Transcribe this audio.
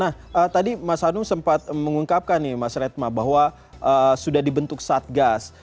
nah tadi mas hanum sempat mengungkapkan nih mas redma bahwa sudah dibentuk satgas